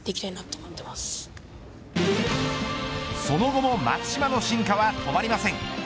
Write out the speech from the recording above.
その後も松島の進化は止まりません。